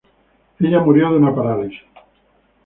Ella murió de una parálisis siguientes.